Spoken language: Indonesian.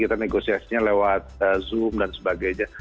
kita negosiasinya lewat zoom dan sebagainya